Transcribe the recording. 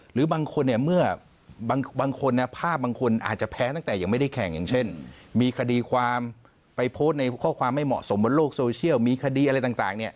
หรือบางคนเนี่ยเมื่อบางคนภาพบางคนอาจจะแพ้ตั้งแต่ยังไม่ได้แข่งอย่างเช่นมีคดีความไปโพสต์ในข้อความไม่เหมาะสมบนโลกโซเชียลมีคดีอะไรต่างเนี่ย